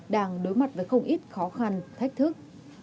đang đối mặt với không ít khó khăn thách thức